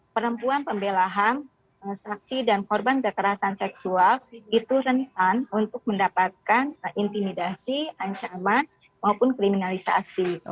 perempuan pembelahan saksi dan korban kekerasan seksual itu rentan untuk mendapatkan intimidasi ancaman maupun kriminalisasi